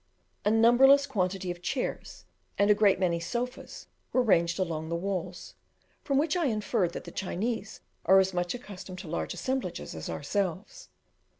A numberless quantity of chairs and a great many sofas were ranged along the walls, from which I inferred that the Chinese are as much accustomed to large assemblages as ourselves.